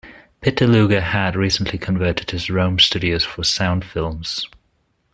Pittaluga had recently converted his Rome studios for sound films.